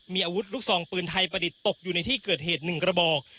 มีอาวุธลูกซองปืนไทยประดิษฐ์ตกอยู่ในที่เกิดเหตุ๑กระบอก